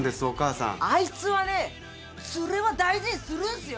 あいつはねツレは大事にするんすよ！